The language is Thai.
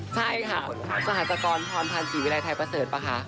ใช่ค่ะสหกรพรพันธ์ศรีวิรัยไทยประเสริฐป่ะคะ